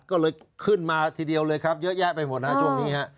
ก็เลยขึ้นมาทีเดียวเลยครับเยอะแยะไปหมดฮะช่วงนี้ฮะ